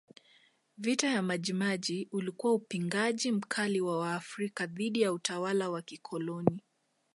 Vita ya Maji Maji ulikuwa upingaji mkali wa Waafrika dhidi ya utawala wa kikoloni